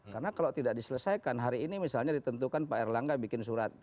karena kalau tidak diselesaikan hari ini misalnya ditentukan pak erlangga bikin surat